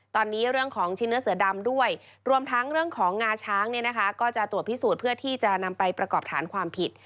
ตอนนี้เรื่องของชิ้นเนื้อเสือดำด้วยรวมทั้งเรื่องของงาช้างเนี่ยนะคะก็จะตรวจพิสูจน์เพื่อที่จะนำไปประกอบฐานความผิด